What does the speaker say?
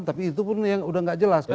tapi itu pun yang sudah tidak jelas kan